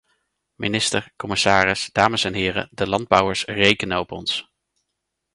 Minister, commissaris, dames en heren, de landbouwers rekenen op ons!